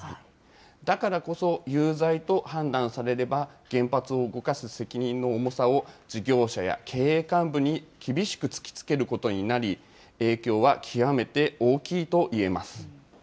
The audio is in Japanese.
だからこそ、有罪と判断されれば、原発を動かす責任の重さを事業者や経営幹部に厳しく突きつけることになり、影響は極めて大きいと言えます。